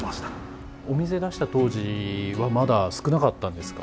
お店出した当時はまだ少なかったんですか？